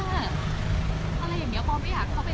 อะไรอย่างเนี่ยพอไม่อยากเขารับรู้อะไรยังไง